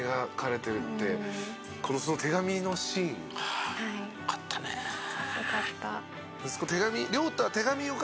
その手紙のシーン。よかったね。よかった。